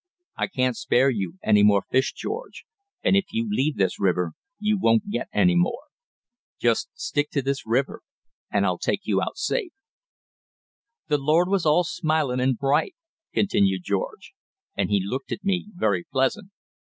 I can't spare you any more fish, George, and if you leave this river you won't get any more. Just stick to this river, and I'll take you out safe.' "The Lord was all smilin' and bright," continued George, "and He looked at me very pleasant.